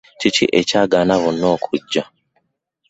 Kiki ekyagaana banno okujja?